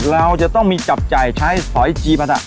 เราจะต้องมีจับจ่ายใช้สอยจีปะทะ